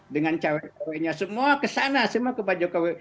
dengan cewek ceweknya semua kesana semua ke pak jokowi